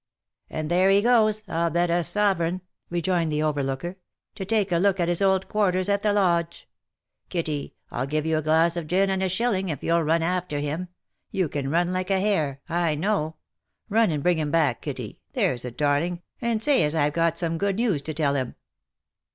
" And there he goes, I'll bet a sovereign," rejoined the overlooker, " to take a look at his old quarters at the Lodge. Kitty, I'll give you a glass of gin and a shilling, if you'll run after him — you can run like a hare, I know— run and bring him back, Kitty, there's a darling, and say as I have got some good news to tell him."